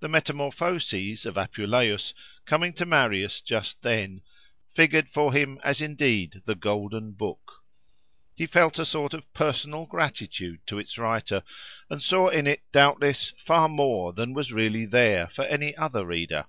The Metamorphoses of Apuleius, coming to Marius just then, figured for him as indeed The Golden Book: he felt a sort of personal gratitude to its writer, and saw in it doubtless far more than was really there for any other reader.